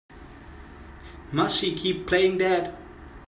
Must she keep playing that?